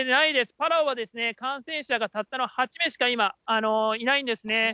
パラオは感染者がたったの８名しか今いないんですね。